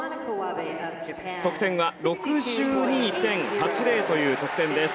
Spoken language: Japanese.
得点は６２．８０という得点です。